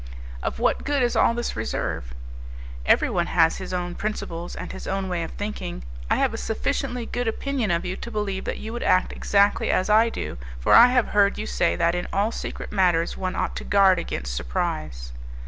"Of what good is all this reserve?" "Everyone has his own principles and his own way of thinking: I have a sufficiently good opinion of you to believe that you would act exactly as I do, for I have heard you say that in all secret matters one ought to guard against surprise."